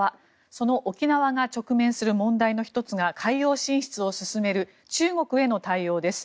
その沖縄が直面する問題の１つが海洋進出を進める中国への対応です。